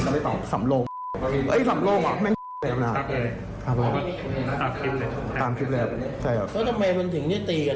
ตามทริปเลยตามใช่อ่ะว่าไงไม่ว่าเป็นสิ่งนี้ตรีกับ